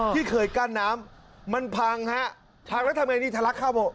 ที่เคยกั้นน้ำมันพังฮะพังแล้วทำไงนี่ทะลักเข้าหมด